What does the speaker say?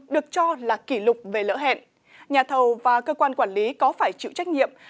được cho là kỷ lục về lỡ hẹn nhà thầu và cơ quan quản lý có phải chịu trách nhiệm